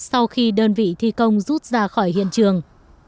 sau khi đơn vị thi công rút ra khỏi hiện trường